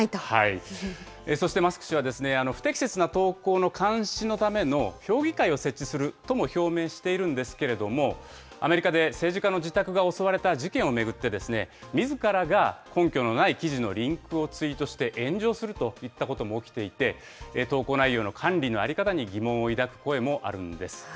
そして、マスク氏は不適切な投稿の監視のための評議会を設置するとも表明しているんですけれども、アメリカで政治家の自宅が襲われた事件を巡って、みずからが根拠のない記事のリンクをツイートして炎上するといったことも起きていて、投稿内容の管理の在り方の疑問を抱く声もあるんです。